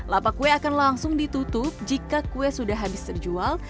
lapak kue akan langsung ditutup jika kue sudah habis terjual